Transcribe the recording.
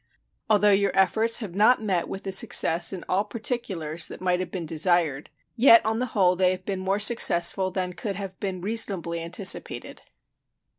Although your efforts have not met with the success in all particulars that might have been desired, yet on the whole they have been more successful than could have been reasonably anticipated.